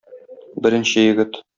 Беренче егет.